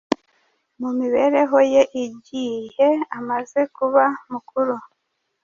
mu mibereho ye igihe amaze kuba mukuru.